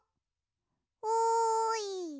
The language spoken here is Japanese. おい！